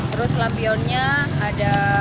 terus lampionnya ada